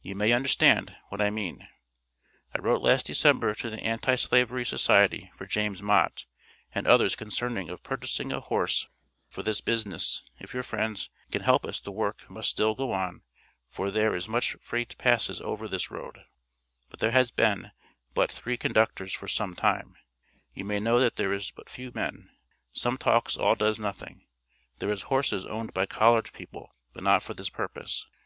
you may understand what i mean. I wrote last december to the anti Slavery Society for James Mot and others concerning of purchasing a horse for this Bisnes if your friends can help us the work must stil go on for ther is much frait pases over this Road, But ther has Ben but 3 conductors for sum time, you may no that there is but few men, sum talks all dos nothing, there is horses owned by Collard peopel but not for this purpose.